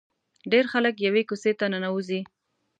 ډېر خلک یوې کوڅې ته ننوځي.